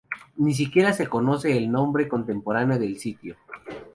Ni siquiera se conoce el nombre contemporáneo del sitio.